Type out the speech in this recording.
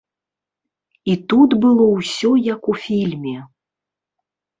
І тут было ўсё як у фільме.